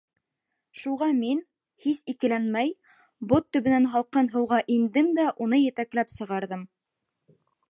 Шуға мин, һис икеләнмәй, бот төбөнән һалҡын һыуға индем дә уны етәкләп сығарҙым.